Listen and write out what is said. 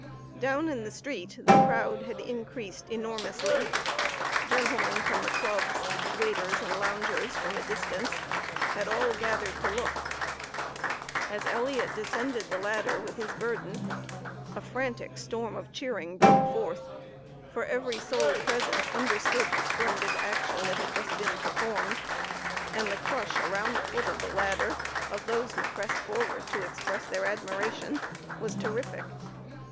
Down in the street the crowd had increased enormously; gentlemen from the clubs, waiters and loungers from a distance had all gathered to look. As Elliot descended the ladder with his burden a frantic storm of cheering broke forth for every soul present understood the splendid action that had just been performed; and the crush around the foot of the ladder of those who pressed forward to express their admiration was terrific.